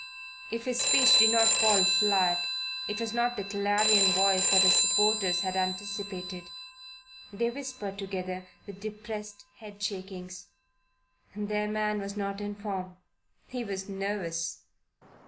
If his speech did not fall flat, it was not the clarion voice that his supporters had anticipated. They whispered together with depressed headshakings. Their man was not in form. He was nervous.